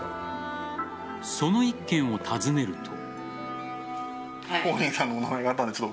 その一軒を訪ねると。